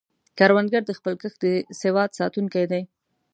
کروندګر د خپل کښت د سواد ساتونکی دی